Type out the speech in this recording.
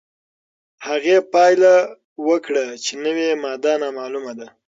هغې پایله وکړه چې نوې ماده نامعلومه ده.